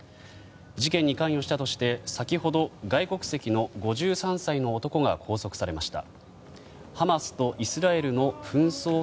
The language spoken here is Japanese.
事件に関与したとして先ほど、外国籍の５３歳の男が拘束されました。